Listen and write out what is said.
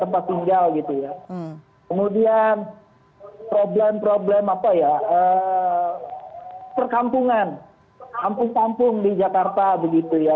seperti perkampungan kampung kampung di jakarta begitu ya